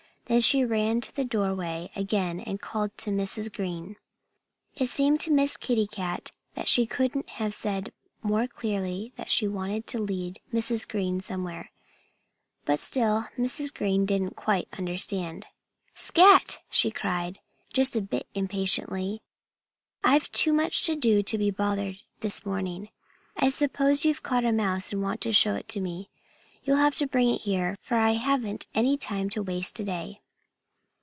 Then she ran to the doorway again and called to Mrs. Green. It seemed to Miss Kitty Cat that she couldn't have said more clearly that she wanted to lead Mrs. Green somewhere. But still Mrs. Green didn't quite understand. "Scat!" she cried, just a bit impatiently. "I've too much to do to be bothered this morning. I suppose you've caught a mouse and want to show it to me. You'll have to bring it here, for I haven't any time to waste to day."